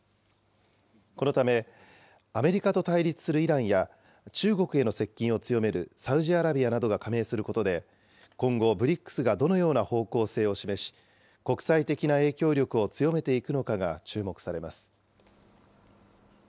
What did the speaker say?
このためアメリカと対立するイランや、中国への接近を強めるサウジアラビアなどが加盟することで、今後、ＢＲＩＣＳがどのような方向性を示し、国際的な影響力を強めていくのかが注目されます。